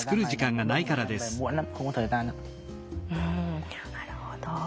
うんなるほど。